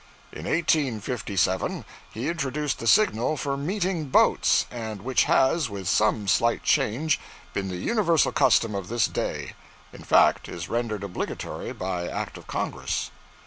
In 1857 he introduced the signal for meeting boats, and which has, with some slight change, been the universal custom of this day; in fact, is rendered obligatory by act of Congress.